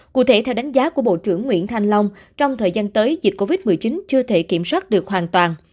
cụ thể theo đánh giá của bộ trưởng nguyễn thanh long trong thời gian tới dịch covid một mươi chín chưa thể kiểm soát được hoàn toàn